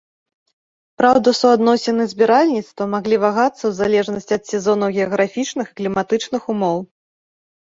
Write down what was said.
Праўда суадносіны збіральніцтва маглі вагацца ў залежнасці ад сезонаў геаграфічных і кліматычных умоў.